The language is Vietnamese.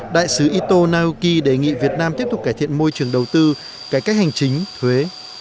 đại sứ ito naoki đề nghị việt nam tiếp tục cải thiện môi trường đầu tư cải cách hành chính thuế